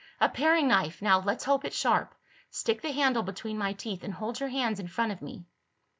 A paring knife. Now let's hope it's sharp. Stick the handle between my teeth and hold your hands in front of me."